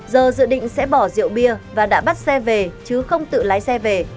giờ dự định sẽ bỏ rượu bia và đã bắt xe về chứ không tự lái xe về